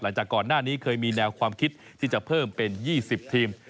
หลังจากก่อนหน้านี้เคยมีแนวความคิดที่จะเพิ่มเป็น๒๐ทีม